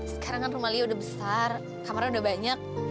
sekarang kan rumah lia udah besar kamarnya udah banyak